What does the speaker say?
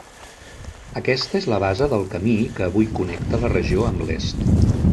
Aquesta és la base del camí que avui connecta la regió amb l'est.